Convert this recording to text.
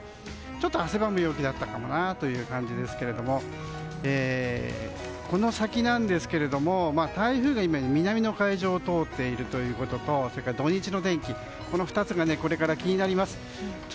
ちょっと汗ばむ陽気だったかなという感じですがこの先なんですが、台風が南の海上を通っているのとそれから土日の天気の２つが気になります。